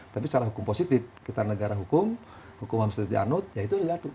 tapi secara hukum positif kita negara hukum hukuman positif di anut ya itu lihat